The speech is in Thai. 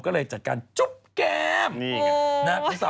เอ๋อเอาอย่างนี้ละพอล่ะ